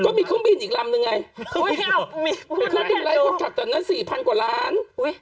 ก็มีเครื่องบินอีกลำนึงไงเครื่องบินไลค์ขัดตอนนั้น๔๐๐๐กว่าล้าน